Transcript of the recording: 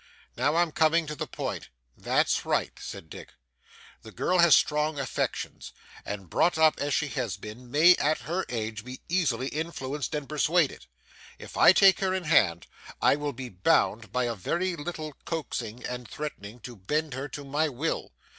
'Now I'm coming to the point.' 'That's right,' said Dick. 'The girl has strong affections, and brought up as she has been, may, at her age, be easily influenced and persuaded. If I take her in hand, I will be bound by a very little coaxing and threatening to bend her to my will.